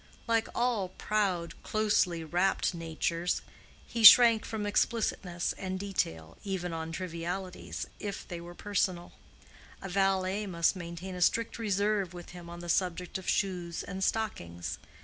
Like all proud, closely wrapped natures, he shrank from explicitness and detail, even on trivialities, if they were personal: a valet must maintain a strict reserve with him on the subject of shoes and stockings.